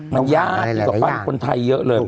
มันยากกว่าปั้นคนไทยเยอะเลย